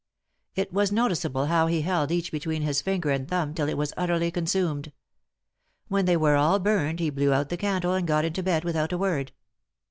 It was noticeable how he held each between his finger and thumb till it was utterly consumed. When they were all burned he blew out the candle and got into bed without a word.